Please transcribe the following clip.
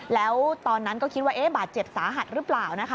แล้วตอนนั้นก็คิดว่าบาดเจ็บสาหัสหรือเปล่านะคะ